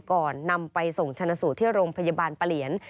ก่อนนำไปส่งชนะสูตรที่โรงพยาบาลปะเหลียน